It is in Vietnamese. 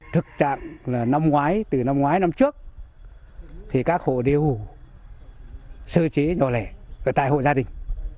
thực trạng là năm ngoái từ năm ngoái năm trước thì các hộ đều sơ chế nhỏ lẻ tại hộ gia đình